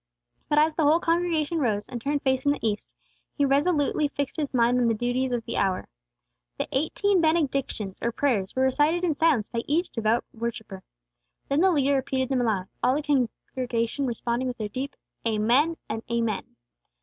But as the whole congregation arose, and turned facing the east, he resolutely fixed his mind on the duties of the hour. The eighteen benedictions, or prayers, were recited in silence by each devout worshipper. Then the leader repeated them aloud, all the congregation responding with their deep Amen! and Amen!